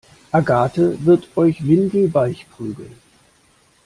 Agathe wird euch windelweich prügeln!